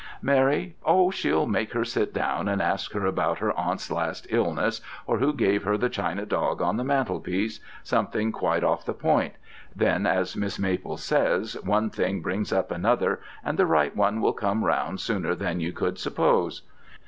"'Mary? Oh, she'll make her sit down and ask her about her aunt's last illness, or who gave her the china dog on the mantel piece something quite off the point. Then, as Maple says, one thing brings up another, and the right one will come round sooner than you could suppose.